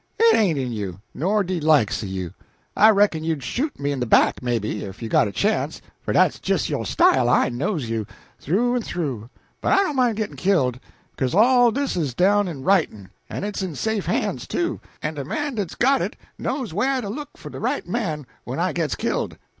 It ain't in you, nor de likes of you. I reckon you'd shoot me in de back, maybe, if you got a chance, for dat's jist yo' style I knows you, throo en throo but I don't mind gitt'n killed, beca'se all dis is down in writin' en it's in safe hands, too, en de man dat's got it knows whah to look for de right man when I gits killed.